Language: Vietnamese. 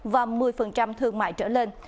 và một mươi thương mại trở lên